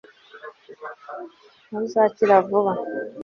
ntuzakira vuba